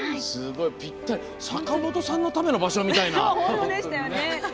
坂本さんのための場所みたいな。